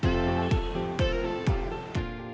sambal terasi matang